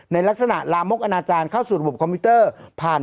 ในลักษณะลามกอนาจารย์เข้าสู่ระบบคอมพิวเตอร์ผ่าน